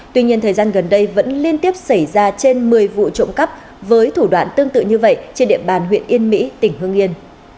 tuy nhiên thời gian gần đây vẫn liên tiếp xảy ra trên một mươi vụ trộm cắp với thủ đoạn tương tự như vậy trên địa bàn huyện yên mỹ tỉnh hương yên